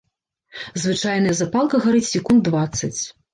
Звычайная запалка гарыць секунд дваццаць.